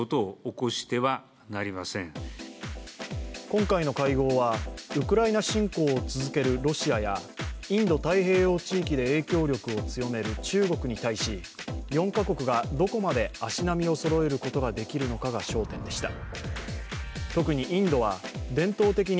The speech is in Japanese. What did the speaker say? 今回の会合はウクライナ侵攻を続けるロシアやインド太平洋地域で影響力を強める中国に対し４カ国がどこまで足並みをそろえることができるのかが焦点でした。